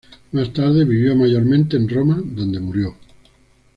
Más tarde vivió mayormente en Roma, donde murió.